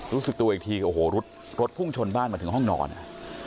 รู้สึกตัวอีกทีโอ้โหรถพุ่งชนบ้านมาถึงห้องนอน